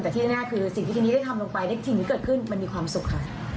แต่ที่แน่คือสิ่งที่ทีนี้ได้ทำลงไปได้สิ่งที่เกิดขึ้นมันมีความสุขค่ะ